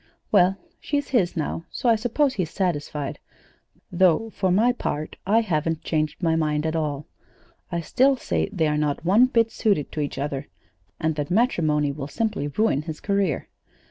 "Well, she's his now, so I suppose he's satisfied; though, for my part, I haven't changed my mind at all. I still say that they are not one bit suited to each other, and that matrimony will simply ruin his career.